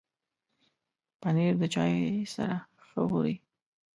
پنېر د چای سره ښه خوري.